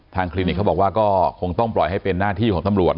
คลินิกเขาบอกว่าก็คงต้องปล่อยให้เป็นหน้าที่ของตำรวจ